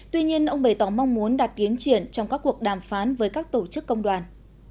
tuy nhiên ông bày tỏ mong muốn đạt tiến triển trong các cuộc đàm phán với các tổ chức công đoàn